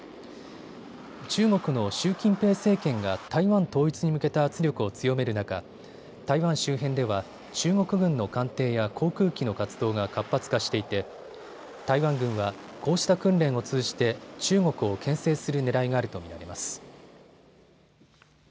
中国の習近平政権が台湾統一に向けた圧力を強める中、台湾周辺では中国軍の艦艇や航空機の活動が活発化していて台湾軍は、こうした訓練を通じて中国をけん制するねらいがあると見られます。